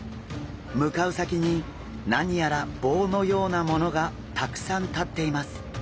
向かう先に何やら棒のようなものがたくさん立っています。